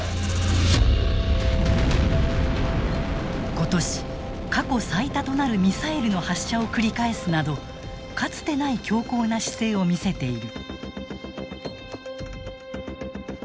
今年過去最多となるミサイルの発射を繰り返すなどかつてない強硬な姿勢を見せている。